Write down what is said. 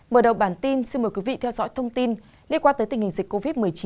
mở đầu bản tin xin mời quý vị theo dõi thông tin liên quan tới tình hình dịch covid một mươi chín